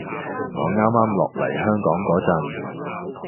我啱啱落嚟香港嗰陣